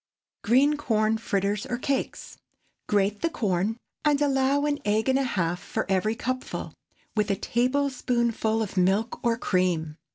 GREEN CORN FRITTERS OR CAKES. ✠ Grate the corn, and allow an egg and a half for every cupful, with a tablespoonful of milk or cream.